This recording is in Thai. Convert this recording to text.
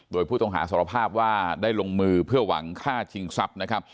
โดยผู้ต้องหาสารภาพว่าได้ลงมือเพื่อหวังฆ่าชิงทรัพย์นะครับ